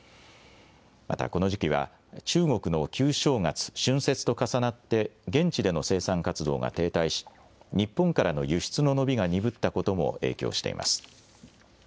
またこの時期は、中国の旧正月、春節と重なって現地での生産活動が停滞し、日本からの輸出の伸びが鈍ったことも影響しています。